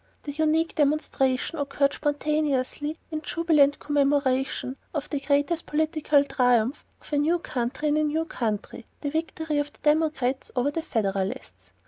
The unique demonstration occurred spontaneously in jubilant commemoration of the greatest political triumph of a new country in a new century the victory of the Democrats over the Federalists.